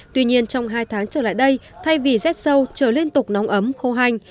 tuy nhiên trong hai tháng trở lại đây thay vì rét sâu trở liên tục nóng ấm khô hành